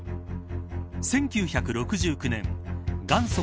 １９６９年元祖